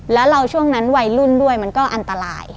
แล้วเราช่วงนั้นวัยรุ่นด้วยมันก็อันตราย